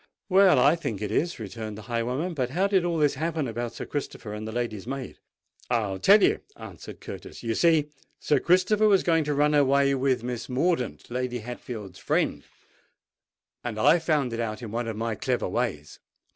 "Well, I think it is," returned the highwayman. "But how did all this happen about Sir Christopher and the lady's maid?" "I'll tell you," answered Curtis. "You see, Sir Christopher was going to run away with Miss Mordaunt, Lady Hatfield's friend, and I found it out in one of my clever ways.